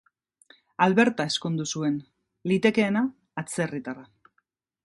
Alberta ezkondu zuen, litekeena atzerritarra.